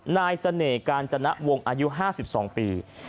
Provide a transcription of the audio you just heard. นายเสน่หกาญจนวงอายุ๕๒ปี